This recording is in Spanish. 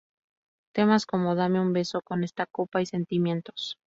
Temas como "Dame Un Beso", "Con Esta Copa" y "Sentimientos".